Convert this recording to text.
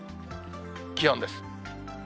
気温です。